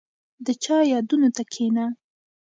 • د چا یادونو ته کښېنه.